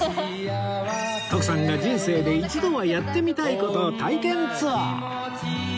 徳さんが人生で一度はやってみたい事体験ツアー！